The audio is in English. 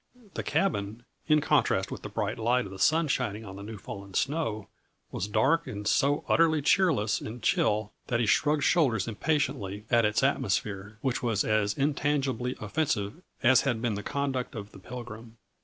The cabin, in contrast with the bright light of sun shining on new fallen snow, was dark and so utterly cheerless and chill that he shrugged shoulders impatiently at its atmosphere, which was as intangibly offensive as had been the conduct of the Pilgrim.